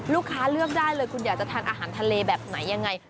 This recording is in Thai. เลือกได้เลยคุณอยากจะทานอาหารทะเลแบบไหนยังไง